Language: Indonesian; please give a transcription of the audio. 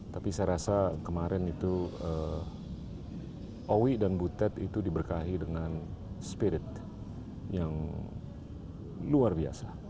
tapi saya rasa kemarin itu owi dan butet itu diberkahi dengan spirit yang luar biasa